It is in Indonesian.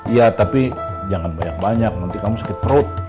iya tapi jangan banyak banyak nanti kamu sakit perut